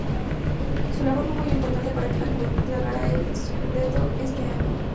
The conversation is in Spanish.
Su labor fue muy importante para que la Juventus ganara el "Scudetto" ese año.